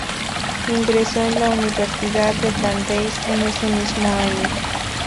Ingresó en la Universidad de Brandeis en ese mismo año.